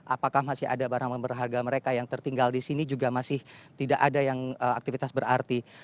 apakah masih ada barang barang berharga mereka yang tertinggal di sini juga masih tidak ada yang aktivitas berarti